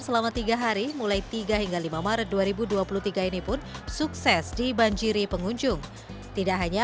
selama tiga hari mulai tiga hingga lima maret dua ribu dua puluh tiga ini pun sukses dibanjiri pengunjung tidak hanya